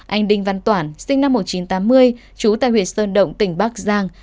anh đinh văn toản sinh năm một nghìn chín trăm tám mươi trú tại huyện sơn động tỉnh bắc giang